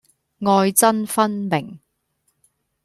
愛憎分明